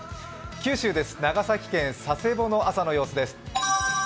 九州です、長崎県佐世保の朝の様子です。